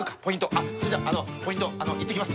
あっそれじゃあのポイント行ってきます。